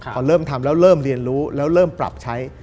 พอเริ่มทำแล้วเริ่มเรียนรู้แล้วเริ่มปรับใช้